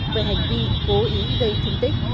về hành vi cố ý gây thương tích